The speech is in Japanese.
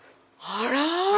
あら！